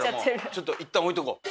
ちょっといったん置いとこう。